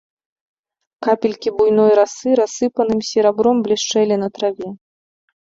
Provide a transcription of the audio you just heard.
Капелькі буйной расы рассыпаным серабром блішчэлі на траве.